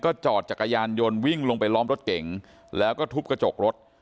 จอดจักรยานยนต์วิ่งลงไปล้อมรถเก๋งแล้วก็ทุบกระจกรถ